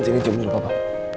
jangan jauh jauh papa